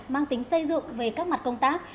mang tính xây dựng về các mặt công tác